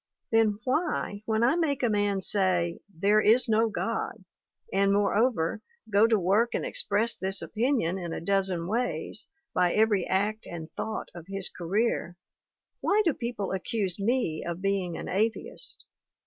Then why, when I make a man say : There is no God/ and more over, go to work and express this opinion in a dozen ways, by every act and thought of his career, why 186 THE WOMEN WHO MAKE OUR NOVELS do people accuse me of being an atheist?